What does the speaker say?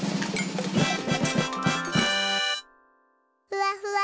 ふわふわ。